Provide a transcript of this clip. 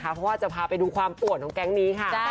เพราะว่าจะพาไปดูความปวดของแก๊งนี้ค่ะ